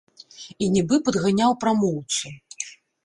І нібы падганяў прамоўцу.